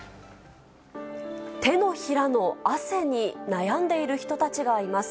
手のひらの汗に悩んでいる人たちがいます。